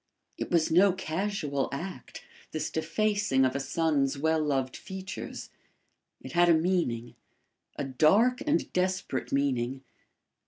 It was no casual act, this defacing of a son's well loved features. It had a meaning a dark and desperate meaning.